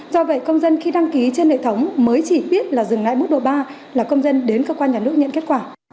do vậy công dân khi đăng ký trên hệ thống mới chỉ biết là dừng lại mức độ ba là công dân đến cơ quan nhà nước nhận kết quả